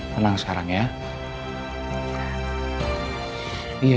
tenang sekarang ya